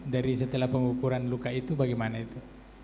dari setelah pengukuran luka itu bagaimana itu